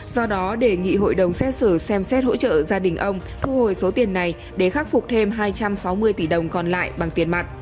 do đó đề nghị hội đồng xét xử xem xét hỗ trợ gia đình ông thu hồi số tiền này để khắc phục thêm hai trăm sáu mươi tỷ đồng còn lại bằng tiền mặt